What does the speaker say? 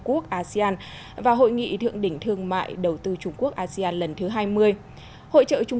quốc asean và hội nghị thượng đỉnh thương mại đầu tư trung quốc asean lần thứ hai mươi hội trợ trung